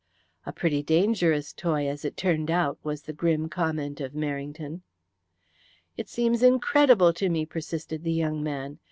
"A pretty dangerous toy as it turned out," was the grim comment of Merrington. "It seems incredible to me," persisted the young man.